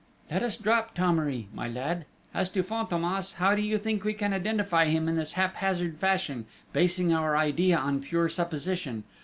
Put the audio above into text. "Let us drop Thomery, my lad! As to Fantômas, how do you think we can identify him in this haphazard fashion, basing our idea on pure supposition?